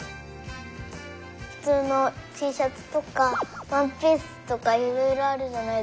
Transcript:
ふつうのティーシャツとかワンピースとかいろいろあるじゃないですか。